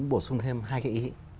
bổ sung thêm hai cái ý